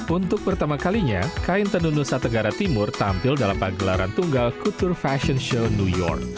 untuk pertama kalinya kain tenun nusa tenggara timur tampil dalam pagelaran tunggal kutur fashion show new york